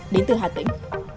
đến từ hà tĩnh